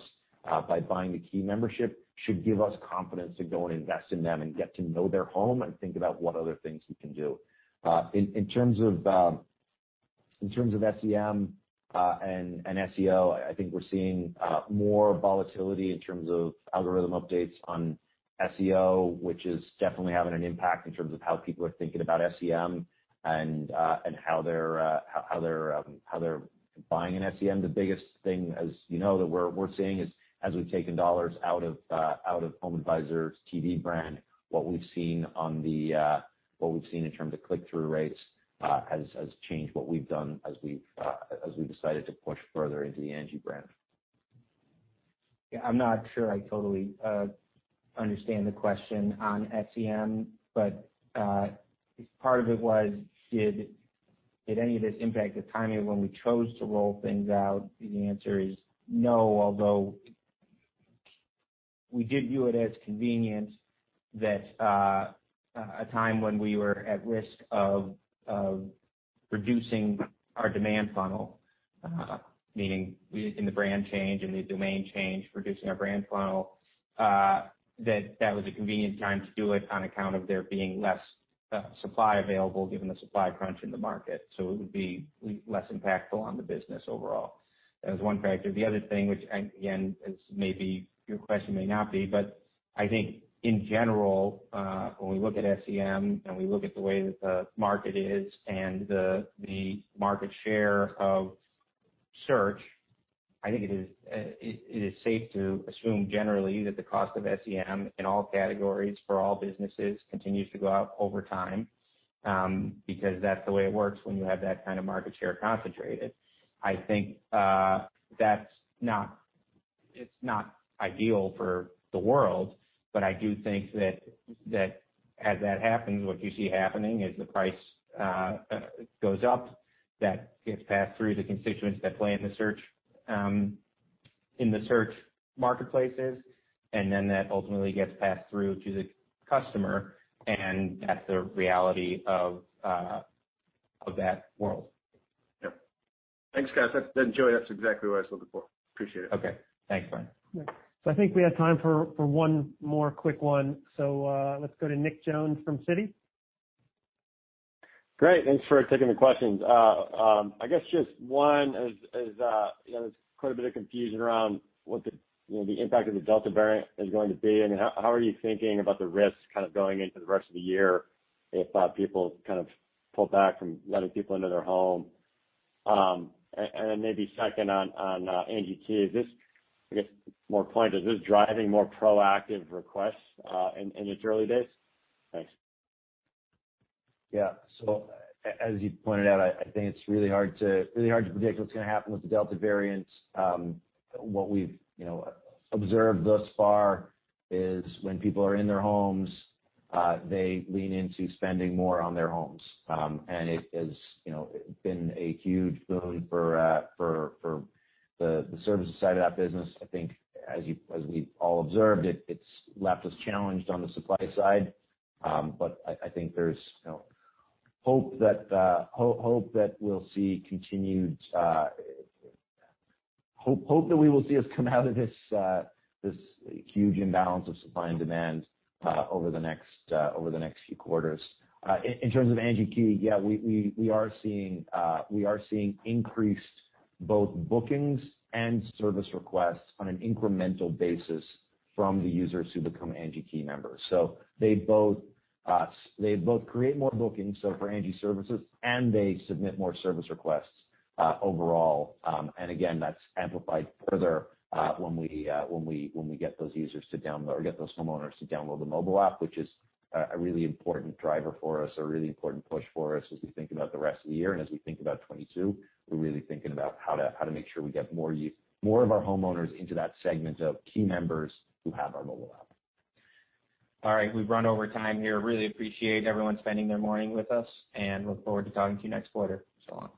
by buying a Key membership should give us confidence to go and invest in them and get to know their home and think about what other things we can do. In terms of SEM and SEO, I think we're seeing more volatility in terms of algorithm updates on SEO, which is definitely having an impact in terms of how people are thinking about SEM and how they're buying an SEM. The biggest thing, as you know, that we're seeing is as we've taken dollars out of HomeAdvisor's TV brand, what we've seen in terms of click-through rates has changed what we've done as we've decided to push further into the Angi brand. Yeah, I'm not sure I totally understand the question on SEM, but part of it was did any of this impact the timing of when we chose to roll things out? The answer is no, although we did view it as convenient that a time when we were at risk of reducing our demand funnel, meaning in the brand change and the domain change, reducing our brand funnel, that that was a convenient time to do it on account of there being less supply available given the supply crunch in the market. It would be less impactful on the business overall. That was one factor. The other thing, which again, your question may not be, but I think in general, when we look at SEM and we look at the way that the market is and the market share of search, I think it is safe to assume generally that the cost of SEM in all categories for all businesses continues to go up over time, because that's the way it works when you have that kind of market share concentrated. I think it's not ideal for the world, but I do think that as that happens, what you see happening is the price goes up. That gets passed through to constituents that play in the search marketplaces, and then that ultimately gets passed through to the customer, and that's the reality of that world. Yep. Thanks, guys. Joey, that's exactly what I was looking for. Appreciate it. Okay. Thanks, Brian. I think we have time for one more quick one. Let's go to Nick Jones from Citi. Great. Thanks for taking the questions. I guess just one is there's quite a bit of confusion around what the impact of the Delta variant is going to be, and how are you thinking about the risks going into the rest of the year if people pull back from letting people into their home? Then maybe second on Angi Key. To get more pointed, is this driving more proactive requests in its early days? Thanks. Yeah. As you pointed out, I think it's really hard to predict what's going to happen with the Delta variant. What we've observed thus far is when people are in their homes, they lean into spending more on their homes. It has been a huge boon for the services side of that business. I think as we've all observed, it's left us challenged on the supply side. I think there's hope that we will see us come out of this huge imbalance of supply and demand over the next few quarters. In terms of Angi Key, yeah, we are seeing increased both bookings and service requests on an incremental basis from the users who become Angi Key members. They both create more bookings for Angi Services and they submit more service requests overall. Again, that's amplified further when we get those homeowners to download the mobile app, which is a really important driver for us, a really important push for us as we think about the rest of the year and as we think about 2022. We're really thinking about how to make sure we get more of our homeowners into that segment of Key members who have our mobile app. All right. We've run over time here. Really appreciate everyone spending their morning with us, and look forward to talking to you next quarter. So long.